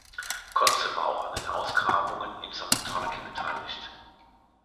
Conze war auch an den Ausgrabungen in Samothraki beteiligt.